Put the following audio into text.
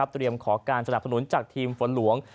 ขอการสนับสนุนจากทีมฝนหลวง